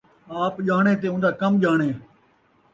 آپ ڄاݨے تے اون٘دا کم ڄاݨے